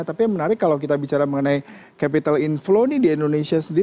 tapi yang menarik kalau kita bicara mengenai capital inflow ini di indonesia sendiri